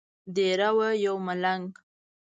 دیره وو یو ملنګ.